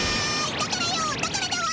だからよだからだわ！